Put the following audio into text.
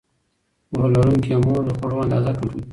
پوهه لرونکې مور د خوړو اندازه کنټرولوي.